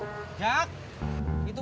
ada apa bu